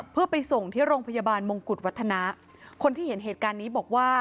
เพื่อไปส่งที่โรงพยาบาลมงกุฎวัฒนะคนที่เห็นเหตุการณ์นี้บอกว่า